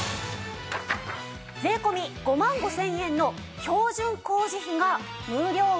税込５万５０００円の標準工事費が無料。